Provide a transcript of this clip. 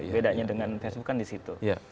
bedanya dengan facebook kan di situ